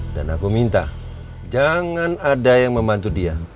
dan aku minta jangan ada yang membantu dia